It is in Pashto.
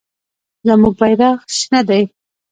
زموږ بیرغ شنه دی.